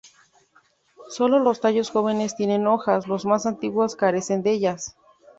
Sólo los tallos jóvenes tienen hojas, los más antiguos carecen de ellas.